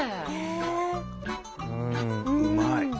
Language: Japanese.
うまい。